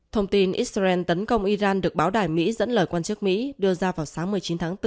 thông tin israel tấn công iran được báo đài mỹ dẫn lời quan chức mỹ đưa ra vào sáng một mươi chín tháng bốn